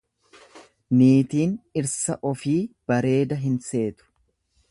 Niitiin dhirsa ofii bareeda hin seetu.